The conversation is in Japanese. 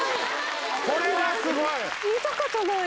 これはすごい！